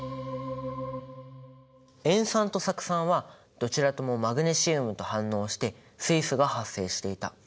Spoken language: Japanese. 塩酸と酢酸はどちらともマグネシウムと反応して水素が発生していた。